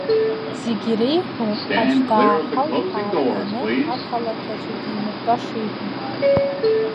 Зегь иреиӷьу аӡә дааҳалԥаа дганы ақалақь аҿы димыртәашеи ҳәа.